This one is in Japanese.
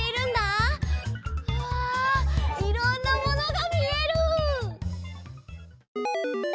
うわいろんなものがみえる！